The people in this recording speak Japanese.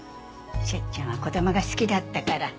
セッちゃんは子供が好きだったから。